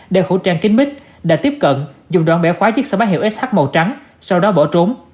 đeo khẩu trang kính mít đã tiếp cận dùng đoạn bẻ khóa chiếc xe máy hiệu sh màu trắng sau đó bỏ trốn